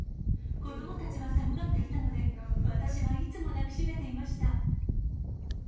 子どもたちは寒がっていたので、私はいつも抱き締めていました。